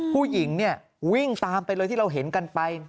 ผู้หญิงเนี่ยวิ่งตามไปเลยที่เราเห็นกันไป